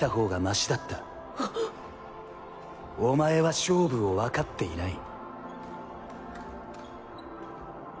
お前は勝負をわかっていない。